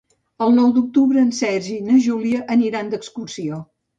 El nou d'octubre en Sergi i na Júlia aniran d'excursió.